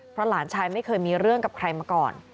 เพราะหลานชายไม่เคยมีเรื่องกับใครมาก่อน